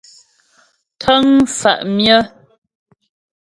Ntə́ŋ mfá' myə́.